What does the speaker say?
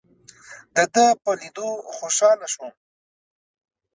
دده په لیدو خوشاله شوم.